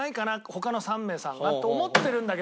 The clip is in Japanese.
他の３名さんがと思ってるんだけど。